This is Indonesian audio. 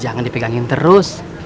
jangan dipegangin terus